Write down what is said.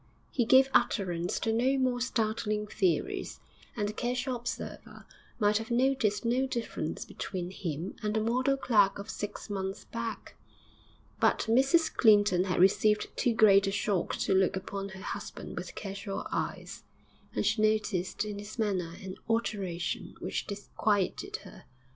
He gave utterance to no more startling theories, and the casual observer might have noticed no difference between him and the model clerk of six months back. But Mrs Clinton had received too great a shock to look upon her husband with casual eyes, and she noticed in his manner an alteration which disquieted her.